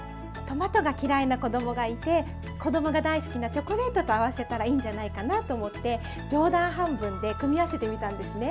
トマトが嫌いな子供がいて子供が大好きなチョコレートと合わせたらいいんじゃないかなと思って冗談半分で組み合わせてみたんですね。